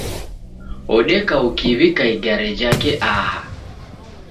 Odeka ukiw'ika igare jake aha.